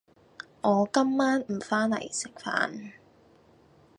我今晚唔返黎食飯.